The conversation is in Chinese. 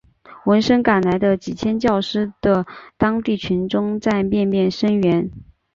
闻声赶来的几千教师的当地群众在面面声援。